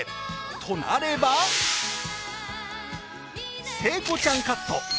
となれば聖子ちゃんカット。